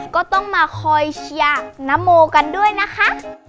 ก็ต้องมาคอยเชียร์นโมกันด้วยนะคะ